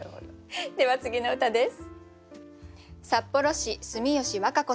では次の歌です。